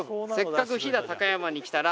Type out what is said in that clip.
「せっかく飛騨高山に来たら」